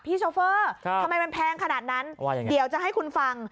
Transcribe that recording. โชเฟอร์ทำไมมันแพงขนาดนั้นเดี๋ยวจะให้คุณฟัง